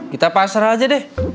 kita pasrah aja deh